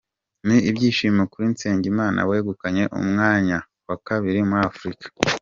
Ni ibyishimo kuri Nsengimana wegukanye umwanya wa kabiri muri Afurika